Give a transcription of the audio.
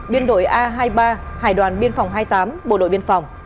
biên đội a hai mươi ba hải đoàn biên phòng hai mươi tám bộ đội biên phòng